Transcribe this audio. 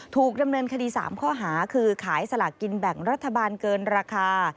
ถูกดำเนินคดี๓ข้อหาคือขายสลากกินแบ่งรัฐบาลเกินราคา